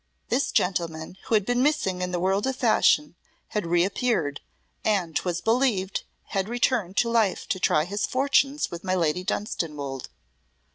This gentleman who had been missing in the World of Fashion had reappeared, and 'twas believed had returned to life to try his fortunes with my Lady Dunstanwolde.